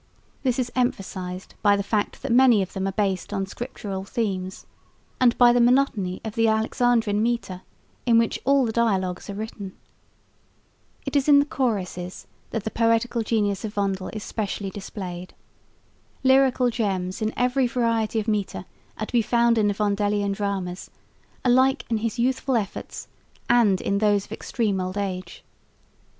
This is emphasised by the fact that many of them are based on Scriptural themes, and by the monotony of the Alexandrine metre in which all the dialogues are written. It is in the choruses that the poetical genius of Vondel is specially displayed. Lyrical gems in every variety of metre are to be found in the Vondelian dramas, alike in his youthful efforts and in those of extreme old age.